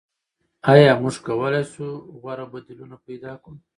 آیا موږ کولای شو غوره بدیلونه پیدا کړو؟